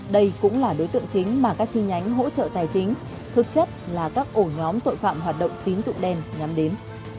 đây cũng là đối tượng chính mà các chi nhánh hỗ trợ tài chính thực chất là các ổ nhóm tội phạm hoạt động tín dụng đen nhắm đến